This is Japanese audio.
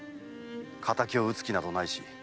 敵を討つ気などないし。